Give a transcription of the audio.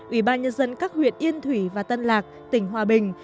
ủy ban nhân dân các huyện yên thủy và tân lạc tỉnh hòa bình